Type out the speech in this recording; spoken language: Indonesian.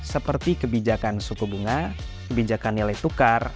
seperti kebijakan suku bunga kebijakan nilai tukar